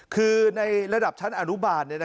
คือในระดับชั้นอนุบาล